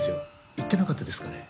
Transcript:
言ってなかったですかね？